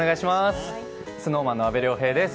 ＳｎｏｗＭａｎの阿部亮平です。